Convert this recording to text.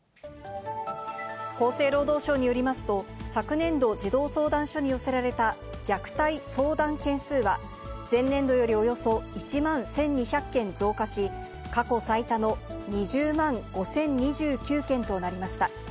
厚生労働省によりますと、昨年度、児童相談所に寄せられた虐待相談件数は、前年度よりおよそ１万１２００件増加し、過去最多の２０万５０２９件となりました。